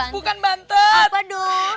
bukan bantet apa dong